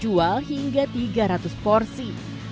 dijual hingga tiga ratus porsi